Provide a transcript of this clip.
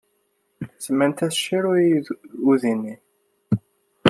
Semmant-as Shiro i uydi-nni.